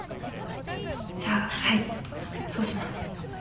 じゃあはいそうします。